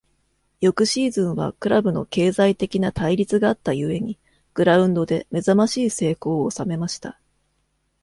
翌シーズンはクラブの経済的な対立があった故に、グラウンドで目覚ましい成功を収めました。